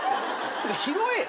つうか拾えよ。